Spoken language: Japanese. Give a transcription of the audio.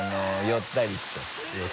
寄ったりして